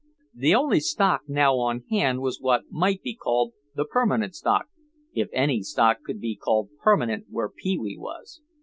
The only stock now on hand was what might be called the permanent stock (if any stock could be called permanent where Pee wee was).